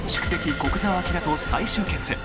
・古久沢明と最終決戦！